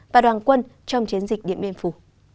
và đoàn quân trong chiến dịch điện biên phù